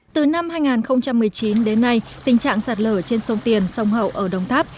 từ năm hai nghìn một mươi chín đến nay tình trạng sạt lở trên sông tiền sông hậu ở đồng tháp